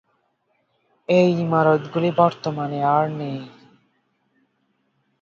এই ইমারতগুলি বর্তমানে আর নেই।